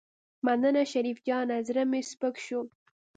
مننه شريف جانه زړه مې سپک شو.